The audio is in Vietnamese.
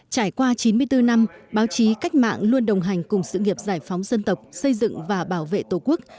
trải qua chín mươi bốn năm báo chí cách mạng luôn đồng hành cùng sự nghiệp giải phóng dân tộc xây dựng và bảo vệ tổ quốc